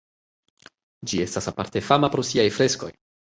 Ĝi estas aparte fama pro siaj freskoj.